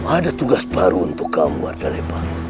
ada tugas baru untukmu arta lepa